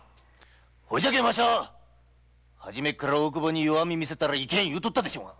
そうじゃけんわしゃ初めっから大久保に弱み見せたらいけん言うとったでしょうが！